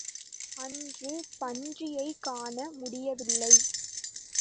அன்று பன்றியைக் காண முடியவில்லை.